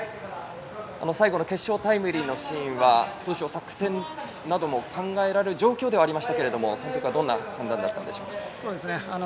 最後の決勝タイムリーのシーンは作戦なども考えられる状況ではありましたが監督はどんな判断だったんでしょうか。